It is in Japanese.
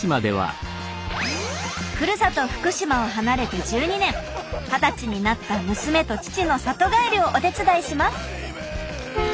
ふるさと福島を離れて１２年二十歳になった娘と父の里帰りをお手伝いします。